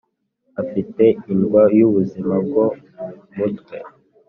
Afite indwa y’ubuzima bwo mutwe